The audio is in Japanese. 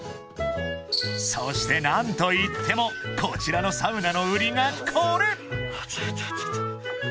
［そして何といってもこちらのサウナの売りがこれ］